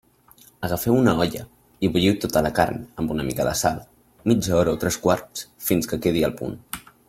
Agafeu una olla i bulliu tota la carn, amb una mica de sal, mitja hora o tres quarts fins que quedi al punt.